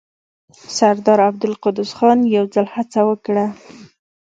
سردار عبدالقدوس خان يو ځل هڅه وکړه.